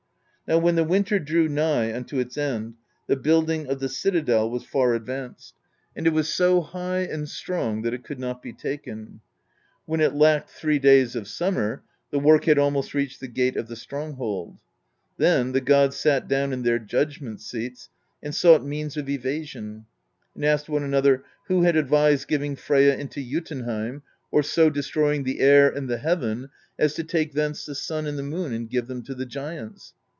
"Now when the winter drew nigh unto its end, the build ing of the citadel was far advanced; and it was so high and strong that it could not be taken. When it lacked three days of summer, the work had almost reached the gate of the stronghold. Then the gods sat down in their judg ment seats, and sought means of evasion, and asked one another who had advised giving Freyja into Jotunheim, or so destroying the air and the heaven as to take thence the sun and the moon and give them to the giants.